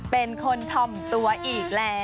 เป็นคนทำตัวอีกแล้ว